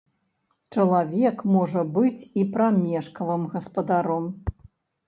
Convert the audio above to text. Чалавек можа быць і прамежкавым гаспадаром.